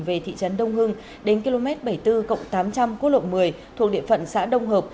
về thị trấn đông hưng đến km bảy mươi bốn tám trăm linh quốc lộ một mươi thuộc địa phận xã đông hợp